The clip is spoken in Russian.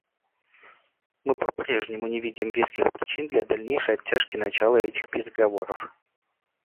Мы по-прежнему не видим веских причин для дальнейшей оттяжки начала этих переговоров.